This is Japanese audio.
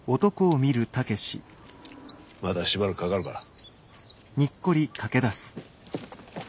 まだしばらくかかるから。